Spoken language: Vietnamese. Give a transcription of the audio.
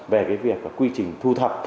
về việc quy trình thu thập